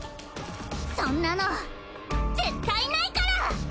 そんなの絶対ないから！